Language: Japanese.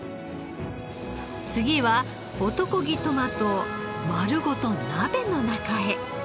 次は男気トマトを丸ごと鍋の中へ。